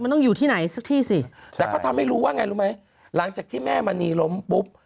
มันต้องอยู่ที่ไหนสักที่สิแต่เขาทำให้รู้ว่าไงรู้ไหมหลังจากที่แม่มณีล้มปุ๊บ